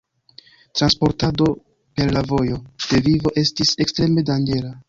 Transportado per la Vojo de Vivo estis ekstreme danĝera.